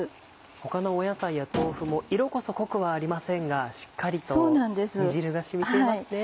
他の野菜や豆腐も色こそ濃くはありませんがしっかりと煮汁が染みていますね。